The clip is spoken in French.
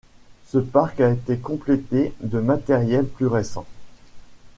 Ce parc a été complété de matériels plus récents.